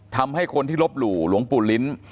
ทำให้คนที่ลบหลู่หลวงปู่ลิ้น